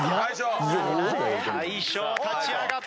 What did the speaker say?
「大昇立ち上がった！」